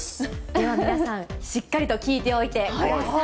では皆さん、しっかりと聞いておいてください。